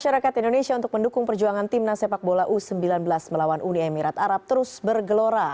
masyarakat indonesia untuk mendukung perjuangan timnas sepak bola u sembilan belas melawan uni emirat arab terus bergelora